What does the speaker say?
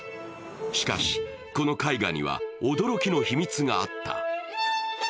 しかし、この絵画には驚きの秘密があった。